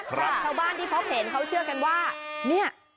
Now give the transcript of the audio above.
แต่ชาวบ้านที่พบเห็นเขาเชื่อกันว่าเนี่ย